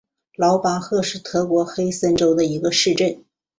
劳巴赫是德国黑森州的一个市镇。